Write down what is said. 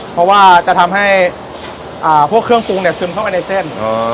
เพราะว่าจะทำให้พวกเครื่องปรุงเนี่ยซึมเข้าไปในเส้น